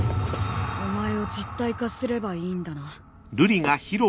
お前を実体化すればいいんだな。